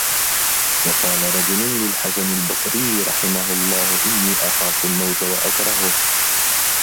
وَقَالَ رَجُلٌ لِلْحَسَنِ الْبَصْرِيِّ رَحِمَهُ اللَّهُ إنِّي أَخَافُ الْمَوْتَ وَأَكْرَهُهُ